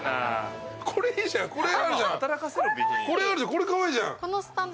これかわいいじゃん。